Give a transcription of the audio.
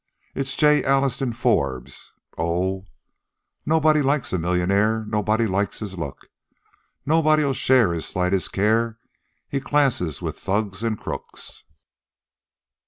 It's J. Alliston Forbes' Oh: "Nobody likes a mil yun aire, Nobody likes his looks, Nobody'll share his slightest care, He classes with thugs and crooks."